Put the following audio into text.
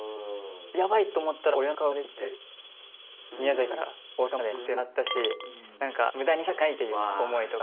ヤバい！って思ったら親の顔が出てきて宮崎から大阪まで送ってもらったしなんか無駄にしたくないっていう思いとか。